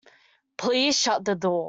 Please shut the door.